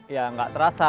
ya nggak terasa